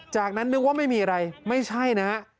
จากนั้นนึกว่าไม่มีอะไรไม่ใช่นะฮะ